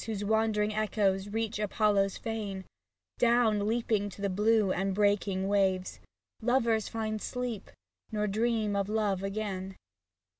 Whose wandering echoes reach Apollo's fane, Dow^n leaping to the blue and breaking waves, Lovers find sleep, nor dream of love again.